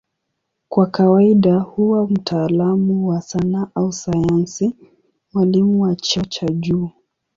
Kwa kawaida huwa mtaalamu wa sanaa au sayansi, mwalimu wa cheo cha juu.